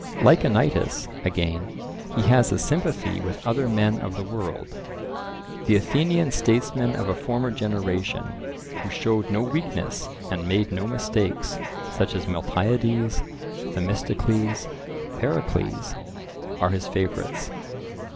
Like Anytus, again, he has a sympathy with other men of the world; the Athenian statesmen of a former generation, who showed no weakness and made no mistakes, such as Miltiades, Themistocles, Pericles, are his favourites.